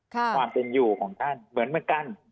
ความเป็นอยู่ของท่านเหมือนกัน